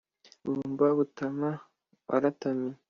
bumba butama waratamiye